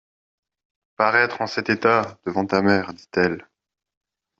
Paraître en cet état, devant ta mère, dit-elle!